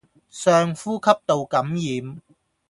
上呼吸道感染